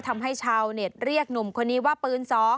ทำให้ชาวเน็ตเรียกหนุ่มคนนี้ว่าปืน๒